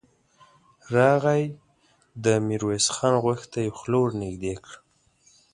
راغی، د ميرويس خان غوږ ته يې خوله ور نږدې کړه.